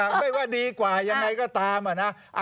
ไม่ว่าดีกว่ายังไงก็ตามอะนะ